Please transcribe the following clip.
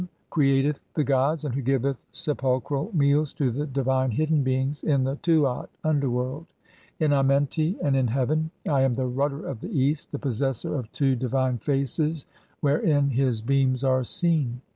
I 17 "createth the gods, and who giveth sepulchral meals to the "divine hidden beings [in the Tuat (underworld)], in Amenti, "and in heaven. [I am] the rudder of the east, the possessor of "two divine faces wherein his beams are seen.